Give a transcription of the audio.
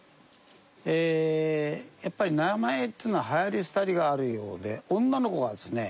ええやっぱり名前っつうのははやり廃りがあるようで女の子はですね